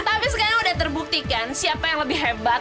tapi sekarang sudah terbuktikan siapa yang lebih hebat